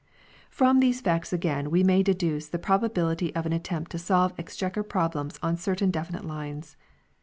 From these facts again we may deduce the pro bability of an attempt to solve Exchequer problems on certain definite lines.